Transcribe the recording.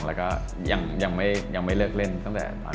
แล้วก็ยังไม่เลิกเล่นตั้งแต่ตอนนั้น